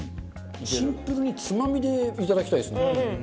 シンプルにつまみでいただきたいですね。